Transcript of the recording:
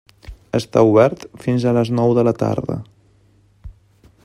Està obert fins a les nou de la tarda.